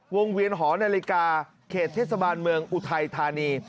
เวียนหอนาฬิกาเขตเทศบาลเมืองอุทัยธานี